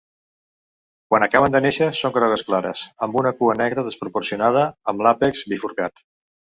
Quan acaben de néixer són grogues clares amb una cua negra desproporcionada amb l'àpex bifurcat.